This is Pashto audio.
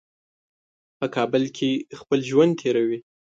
په کابل کې خپل ژوند تېروي.